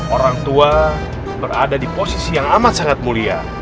orang tua berada di posisi yang amat sangat mulia